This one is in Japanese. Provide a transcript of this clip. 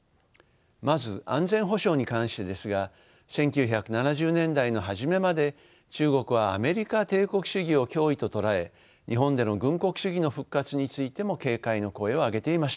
まず安全保障に関してですが１９７０年代の初めまで中国はアメリカ帝国主義を脅威と捉え日本での軍国主義の復活についても警戒の声を上げていました。